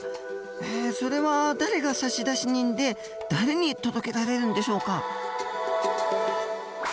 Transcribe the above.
えそれは誰が差出人で誰に届けられるんでしょうか？